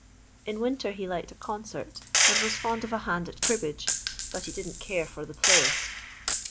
In winter he liked a concert, and was fond of a hand at cribbage, but he didn't care for the play.